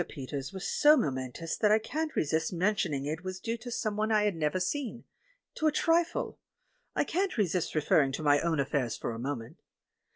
Peters was so momen tous that I can't resist mentioning it was due to someone I had never seen — to a trifle; I can't resist referring to my own affairs for a moment.